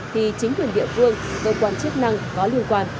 thì chính quyền địa phương cơ quan chức năng có liên quan